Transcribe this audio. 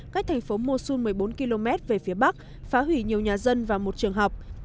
cách thành phố mosun một mươi bốn km về phía bắc phá hủy nhiều nhà dân và một trường học